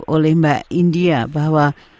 oleh mbak indira bahwa